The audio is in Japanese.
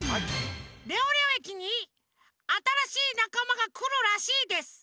レオレオ駅にあたらしいなかまがくるらしいです。